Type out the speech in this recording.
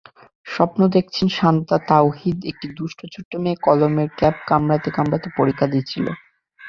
স্বপ্নে দেখেছেনশান্তা তাওহিদাএকটি দুষ্টু ছোট্ট মেয়ে কলমের ক্যাপ কামড়াতে কামড়াতে পরীক্ষা দিচ্ছিল।